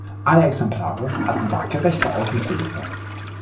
Alle Exemplare hatten waagerechte Außenzylinder.